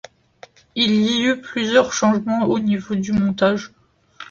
Il y eut plusieurs changements au niveau du montage.